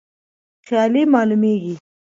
خیالي معلومیږي.